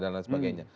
dan lain sebagainya